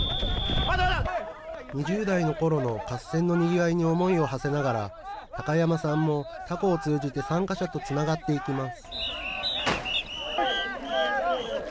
２０代のころの合戦のにぎわいに思いをはせながら、高山さんも、たこを通じて参加者とつながっていきます。